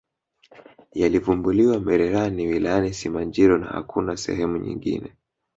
yalivumbuliwa mererani wilayani simanjiro na hakuna sehemu nyingine